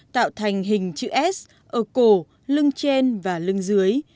tạo thành hình chữ s ở cổ lưng trên và lưng dưới